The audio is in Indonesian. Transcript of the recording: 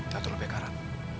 dato' lebih karat